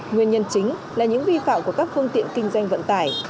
nguyên nhân chính là những vi phạm của các phương tiện kinh doanh vận tải